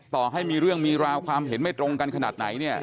ต่อให้มีเรื่องมีราวความเห็นไม่ตรงกันขนาดไหนเนี่ย